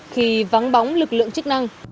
khi vắng bóng lực lượng chức năng